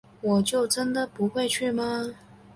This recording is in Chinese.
我就真的不会去吗